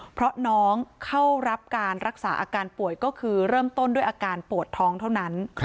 เพราะน้องเข้ารับการรักษาอาการป่วยก็คือเริ่มต้นด้วยอาการปวดท้องเท่านั้น